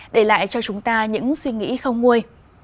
để lại cho chúng ta những suy nghĩ không nguôi